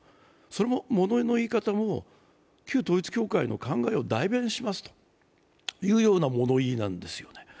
それも、ものの言い方も、旧統一教会の考えを代弁しますというような物言いなんですよね。